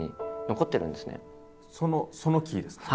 そのその木ですか？